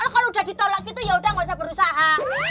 kalau udah ditolak gitu ya udah nggak usah berusaha